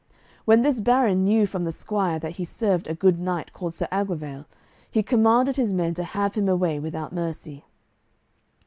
When this baron knew from the squire that he served a good knight called Sir Aglovale, he commanded his men to have him away without mercy.